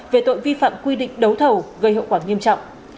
về tội vi phạm quy định đấu thầu gây hậu quả nghiêm trọng